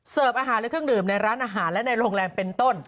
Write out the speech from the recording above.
อาหารและเครื่องดื่มในร้านอาหารและในโรงแรมเป็นต้น